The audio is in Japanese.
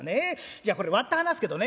じゃあこれ割って話すけどね